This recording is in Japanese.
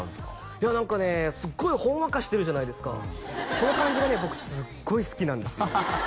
いや何かねすっごいほんわかしてるじゃないですかこの感じがね僕すっごい好きなんですよ